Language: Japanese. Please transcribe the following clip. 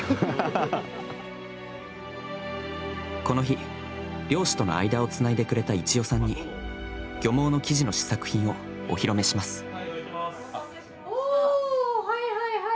この日、漁師との間をつないでくれた一代さんに漁網の生地の試作品をお披露目します。